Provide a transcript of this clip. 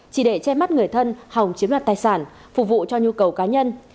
chỉ để che mắt người thân hòng chiếm đoạt tài sản phục vụ cho nhu cầu cá nhân